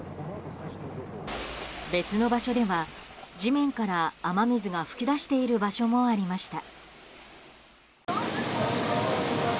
別の場所では地面から雨水が噴き出している場所もありました。